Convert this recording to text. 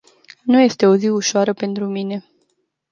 Nu este o zi ușoară pentru mine.